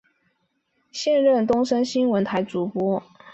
现任东森新闻台主播。